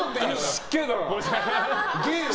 失敬だよ！